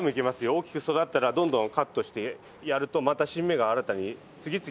大きく育ったらどんどんカットしてやるとまた新芽が新たに次々。